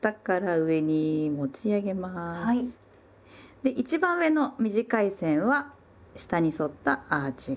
で一番上の短い線は下に反ったアーチ型。